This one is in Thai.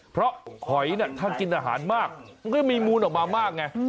เพราะหอยถ้ากินอาหารมากมันก็มีมูลออกมามากไง